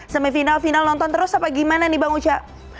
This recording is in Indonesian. semifinal final nonton terus apa gimana nih bang uca